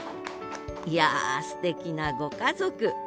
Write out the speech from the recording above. いやすてきなご家族！